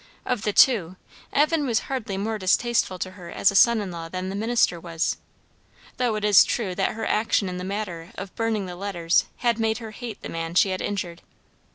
Of the two, Evan was hardly more distasteful to her as a son in law than the minister was; though it is true that her action in the matter of burning the letters had made her hate the man she had injured.